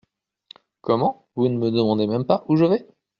Comment ! vous ne me demandez même pas où je vais ?…